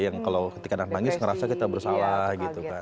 yang kalau ketika ada nangis ngerasa kita bersalah gitu kan